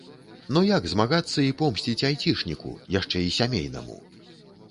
Ну як змагацца і помсціць айцішніку, яшчэ і сямейнаму?